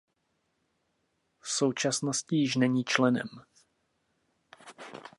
V současnosti již není členem.